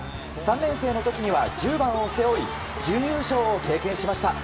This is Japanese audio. ３年生の時には１０番を背負い準優勝を経験しました。